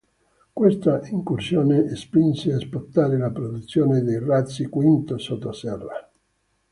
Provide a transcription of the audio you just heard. Questa incursione spinse a spostare la produzione dei razzi V sottoterra.